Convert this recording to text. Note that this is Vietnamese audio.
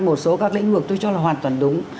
một số các lĩnh vực tôi cho là hoàn toàn đúng